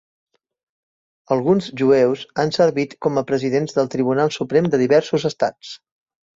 Alguns jueus han servit com a presidents del Tribunal Suprem de diversos estats.